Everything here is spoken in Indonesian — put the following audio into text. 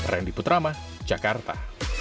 randy putrama jakarta